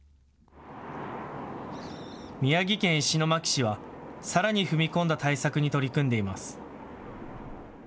宮城県石巻市はさらに踏み込んだ対策に取り組んでいます。